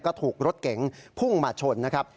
ก็ถูกรถเก๋งพุ่งมาชนนะครับ